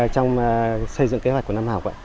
trong xây dựng kế hoạch của năm học